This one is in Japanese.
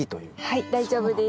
はい大丈夫です。